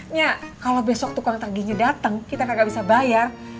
nyak kalo besok tukang tangginya dateng kita gak bisa bayar